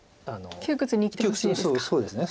窮屈に生きてほしいですか。